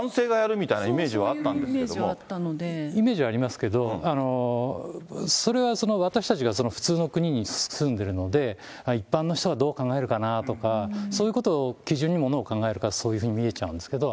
そういうイメージがあったのイメージはありますけど、それは私たちが普通の国に住んでるので、一般の人はどう考えるかなって、そういうことを基準にものを考えるから、そういうふうに見えちゃうんですけど。